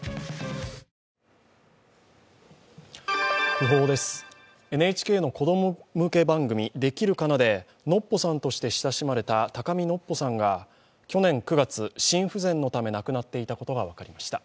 訃報です、ＮＨＫの子供向け番組「できるかな」でノッポさんとして親しまれた高見のっぽさんが去年９月、心不全のため亡くなっていたことが分かりました。